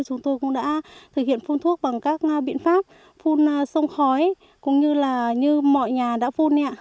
chúng tôi cũng đã thực hiện phun thuốc bằng các biện pháp phun khói cũng như là như mọi nhà đã phun nạ